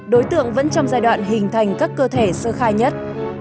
đối tượng vẫn trong giai đoạn hình thành các cơ thể sơ khai nhất